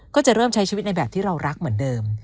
ก็จะเริ่มใช้ชีวิตในแบบที่เรารักเหมือนเดิม